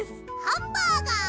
ハンバーガー！